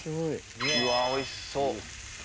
うわおいしそう。